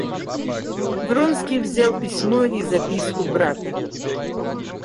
Вронский взял письмо и записку брата.